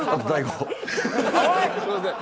すいません。